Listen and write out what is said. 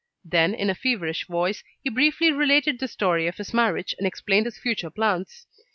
Then, in a feverish voice, he briefly related the story of his marriage, and explained his future plans.